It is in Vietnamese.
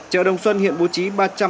chợ đồng xuân hiện bố trí